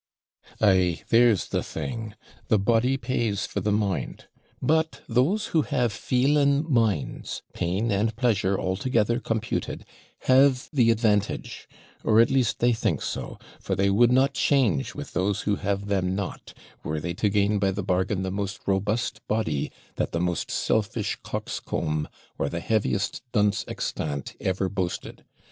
'Ay, there's the thing! The body pays for the mind but those who have feeling minds, pain and pleasure altogether computed, have the advantage; or at least they think so; for they would not change with those who have them not, were they to gain by the bargain the most robust body that the most selfish coxcomb, or the heaviest dunce extant, ever boasted.